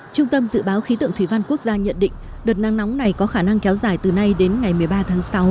trung tâm dự báo khí tượng thủy văn quốc gia nhận định đợt nắng nóng này có khả năng kéo dài từ nay đến ngày một mươi ba tháng sáu